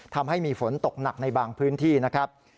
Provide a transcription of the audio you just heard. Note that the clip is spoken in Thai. ทำให้มีฝนตกหนักในบางพื้นที่นะครับ